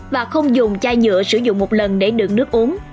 và không dùng chai nhựa sử dụng một lần để đựng nước uống